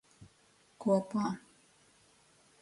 Kopā.